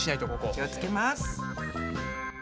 気を付けます。